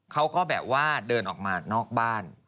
เขาก็แบบว่าเดินออกมานอกบ้าน